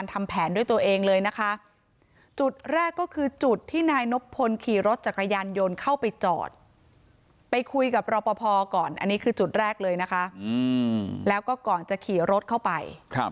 รอพอก่อนอันนี้คือจุดแรกเลยนะคะแล้วก็ก่อนจะขี่รถเข้าไป